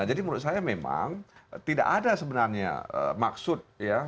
jadi menurut saya memang tidak ada sebenarnya maksud